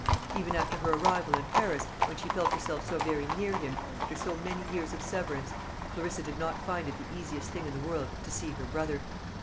Even after her arrival in Paris, when she felt herself so very near him, after so many years of severance, Clarissa did not find it the easiest thing in the world to see her brother.